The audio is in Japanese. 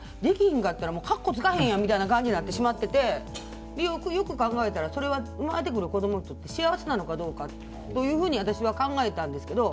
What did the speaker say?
んかったら格好がつかへんみたいな感じになってよく考えたら生まれてくる子供にとって幸せなのかどうかというふうに私は考えたんですけど。